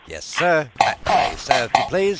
Yes, sir. That way, sir, if you please.